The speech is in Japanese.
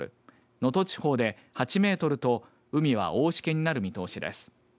能登地方で８メートルと海は大しけになる見通しです。